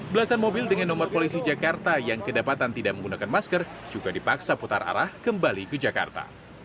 belasan mobil dengan nomor polisi jakarta yang kedapatan tidak menggunakan masker juga dipaksa putar arah kembali ke jakarta